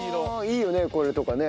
いいよねこれとかね。